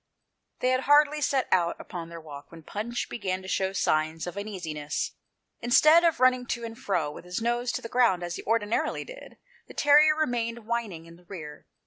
They had hardly set out upon their walk when Punch began to show signs of uneasiness. Instead of running to and fro, with his nose to the ground, as he ordinarily did, the terrier remained whining in the rear.